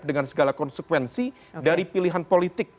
dengan segala konsekuensi dari pilihan politik